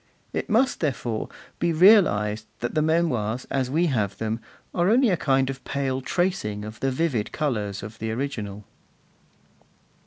It must, therefore, be realized that the Memoirs, as we have them, are only a kind of pale tracing of the vivid colours of the original.